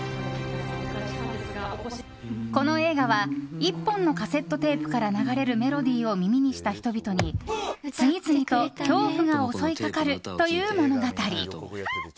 この映画は１本のカセットテープから流れるメロディーを耳にした人々に次々と恐怖が襲いかかるという物語。